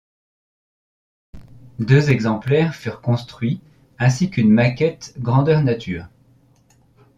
Deux exemplaires furent construits, ainsi qu'une maquette grandeur nature.